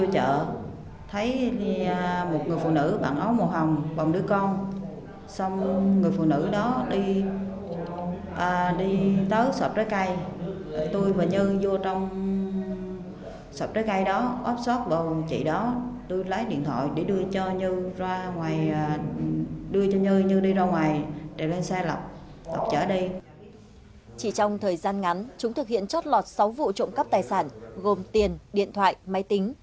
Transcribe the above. chỉ trong thời gian ngắn chúng thực hiện chót lọt sáu vụ trộm cắp tài sản gồm tiền điện thoại máy tính